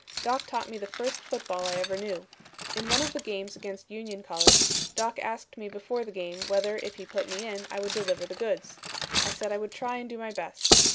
Doc taught me the first football I ever knew. In one of the games against Union College Doc asked me before the game whether if he put me in I would deliver the goods. I said I would try and do my best.